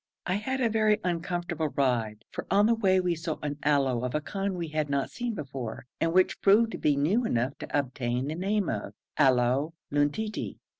I had a very uncomfortable ride, for on the way we saw an aloe of a kind we had not seen before, and which proved to be new enough to obtain the name of Aloe Luntii.